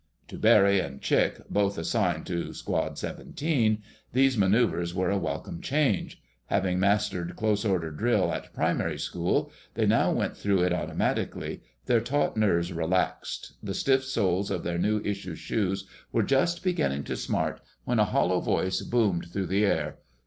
To Barry and Chick, both assigned to Squad 17, these maneuvers were a welcome change. Having mastered close order drill at primary school, they now went through it automatically. Their taut nerves relaxed. The stiff soles of their new issue shoes were just beginning to smart, when a hollow voice boomed through the air.